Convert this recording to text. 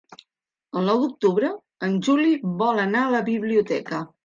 El nou d'octubre en Juli vol anar a la biblioteca.